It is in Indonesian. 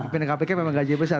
pimpinan kpk memang gajinya besar